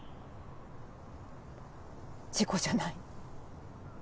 事故じゃない。